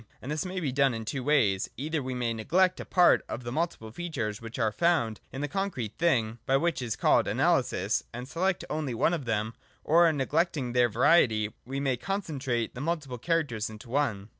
And this may be done in two ways. Either we may neglect a part of the multiple features which are found in the concrete thing (by what is called analysis) and select only one of them ; or, neglecting their variety, we may concentrate the multiple characters into one.